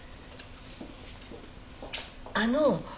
あの。